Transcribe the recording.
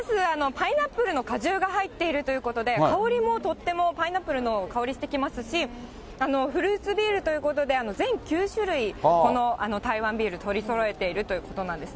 パイナップルの果汁が入っているということで、香りもとってもパイナップルの香りしてきますし、フルーツビールということで、全９種類、台湾ビール取りそろえているということなんですね。